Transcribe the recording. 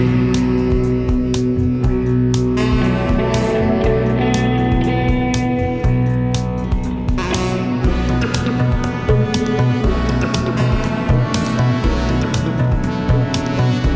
sekarang setekan untuk semangat